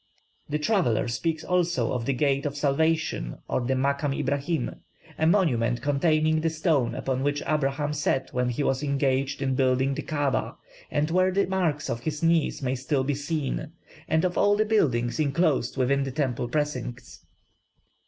The traveller speaks also of the "Gate of Salvation," of the Makam Ibrahim, a monument containing the stone upon which Abraham sat when he was engaged in building the Kaaba, and where the marks of his knees may still be seen, and of all the buildings enclosed within the temple precincts.